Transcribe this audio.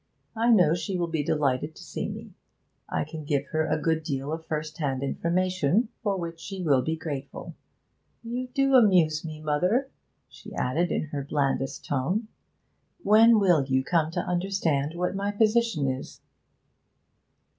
I know she will be delighted to see me. I can give her a good deal of first hand information, for which she will be grateful. You do amuse me, mother, she added in her blandest tone. 'When will you come to understand what my position is?'